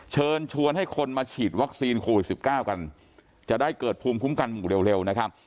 เชิญชวนให้คนมาฉีดวัคซีนโควิด๑๙กันจะได้เกิดภูมิคุ้มกันหมู่เร็วนะครับ